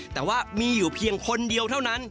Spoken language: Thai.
แต่ว่ามีอยู่เพียงคนเดียวเท่านั้น